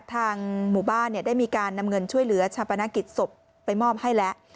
ทางหมู่บ้านได้มีการนำเงินช่วยเหลือชาปนกิจศพไปมอบให้แล้ว